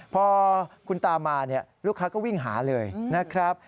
พอคุณตามาลูกค้าก็วิ่งหาเลยนะครับ